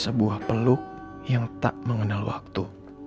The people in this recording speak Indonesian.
sebuah peluk yang tak mengenal waktu